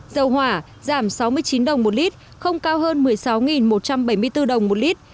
dầu hỏa giảm sáu mươi chín đồng một lít không cao hơn một mươi sáu một trăm bảy mươi bốn đồng một lít